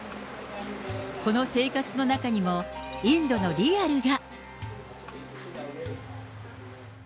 この生活の中にも、インドのリアルが。